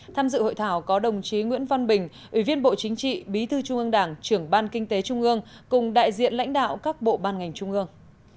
tham dự hội thảo có đồng chí nguyễn văn bình ủy viên bộ chính trị bí thư trung ương đảng trưởng ban kinh tế trung ương cùng đại diện lãnh đạo các bộ ban ngành trung ương